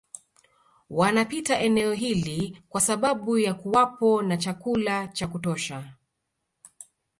Wanapita eneo hili kwa sababu ya kuwapo na chakula cha kutosha